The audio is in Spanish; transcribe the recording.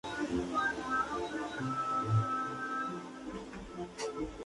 El miedo guarda la viña